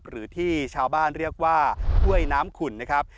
หรือที่ชาวบ้านเรียกว่าห้วยน้ำขุ่นนะครับ